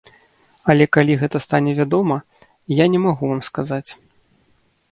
Але калі гэта стане вядома, я не магу вам сказаць.